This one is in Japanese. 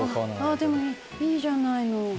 「でもいいじゃないの。